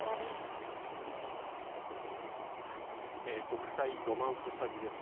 国際ロマンス詐欺です。